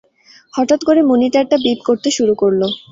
হঠাৎ করে মনিটারটা বিপ করতে শুরু করলো।